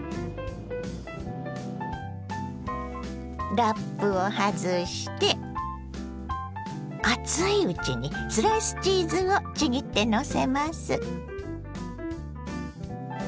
ラップを外して熱いうちにスライスチーズをちぎってのせます。